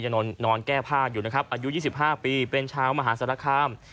จะนอนนอนแก้ผ้าอยู่นะครับอายุยี่สิบห้าปีเป็นชาวมหาสรรคาม